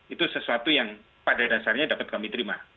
itu sesuatu yang pada dasarnya dapat kami terima